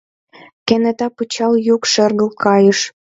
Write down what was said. Кенета пычал йӱк шергылт кайыш.